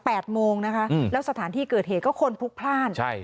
โมงนะคะอืมแล้วสถานที่เกิดเหตุก็คนพลุกพลาดใช่